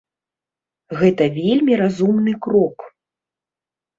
Гэта вельмі разумны крок.